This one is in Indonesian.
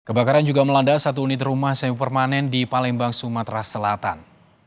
kebakaran juga melanda satu unit rumah semi permanen di palembang sumatera selatan